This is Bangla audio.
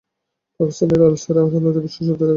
পাকস্থলীর আলসারে সাধারণত বিশেষ জটিলতা দেখা যায় না।